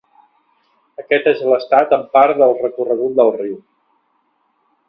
Aquest és l'estat en part del recorregut del riu.